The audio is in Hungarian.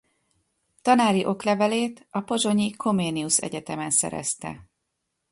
Tanári oklevelét a pozsonyi Comenius Egyetemen szerezte.